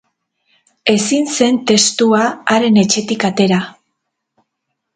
Ezin zen testua haren etxetik atera.